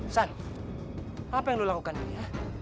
san apa yang lo lakukan ini